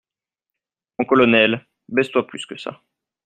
Mon colonel, baisse-toi plus que ça.